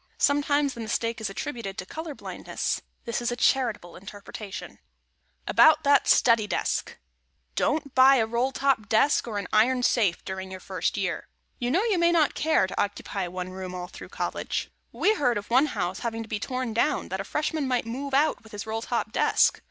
Sometimes the mistake is attributed to color blindness. This is a charitable interpretation. [Sidenote: ABOUT THAT STUDY DESK] Don't buy a roll top desk or an iron safe during your first year. You know, you may not care to occupy one room all through College. We heard of one house having to be torn down, that a Freshman might move out with his roll top desk.